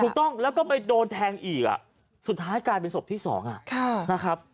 ถูกต้องแล้วก็ไปโดนแทงอีกสุดท้ายกลายเป็นศพที่๒นะครับ